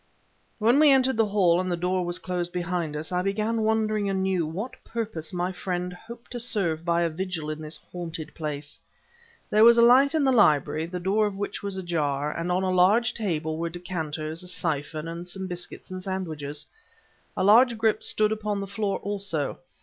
When we entered the hall and the door was closed behind us, I began wondering anew what purpose my friend hoped to serve by a vigil in this haunted place. There was a light in the library, the door of which was ajar, and on the large table were decanters, a siphon, and some biscuits and sandwiches. A large grip stood upon the floor, also.